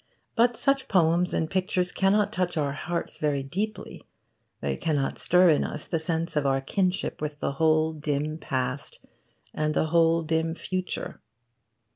But such poems and pictures cannot touch our hearts very deeply. They cannot stir in us the sense of our kinship with the whole dim past and the whole dim future.